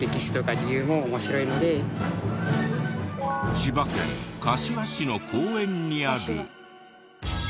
千葉県柏市の公園にある。